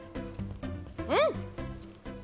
うん！